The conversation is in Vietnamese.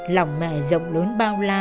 lòng mẹ rộng lớn bao la